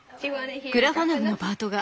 グラファナフのパートが。